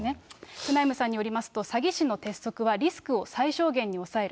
フナイムさんによりますと、詐欺師の鉄則はリスクを最小限に抑える。